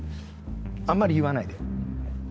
あんまり言わないで。